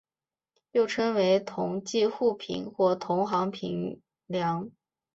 又称为同侪互评或同行评量。